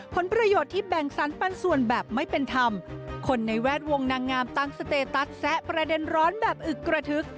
ผลประโยชน์ที่แบ่งสรรปันส่วนแบบไม่เป็นธรรมคนในแวดวงนางงามตั้งสเตตัสแซะประเด็นร้อนแบบอึกกระทึก